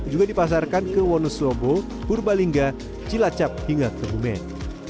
juga dipasarkan ke wonosobo purbalingga cilacap hingga tegumen